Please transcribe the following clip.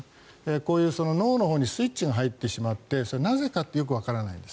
こういう脳のほうにスイッチが入ってしまってそれはなぜかってよくわからないんです。